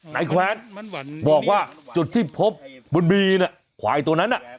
นายแขวนบอกว่าจุดที่พบบุญบีนขวายตัวนั้นน่ะ